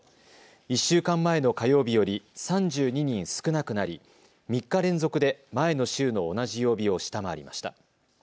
１週間前の火曜日より３２人少なくなり３日連続で前の週の同じ曜日を下回りました。